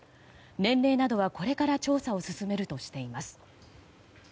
年齢などは、これから調査を進めるとしています。